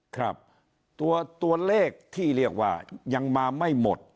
ครับตัวเลขที่เรียกว่ายังมาไม่หมด